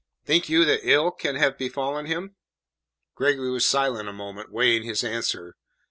"Think you that ill can have befallen him?" Gregory was silent a moment, weighing his answer.